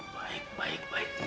baik baik baik